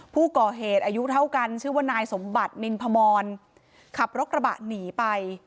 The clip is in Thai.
ผู้ก่อเหตุอายุเท่ากันชื่อว่านายสมบัตินินพมรขับรถกระบะหนีไป